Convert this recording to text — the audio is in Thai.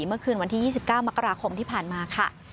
เมื่อคืนวันที่๒๙มกราคมที่ผ่านมาค่ะ